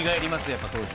やっぱ当時。